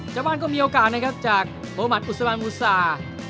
เจ้าบ้านก็มีโอกาสนะครับจากโบรมัติอุศบันมุษา